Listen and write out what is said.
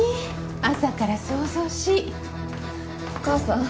朝から騒々しいお義母さん